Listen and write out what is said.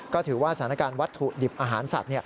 ก็ถือว่าสถานการณ์วัตถุดิบอาหารสัตว์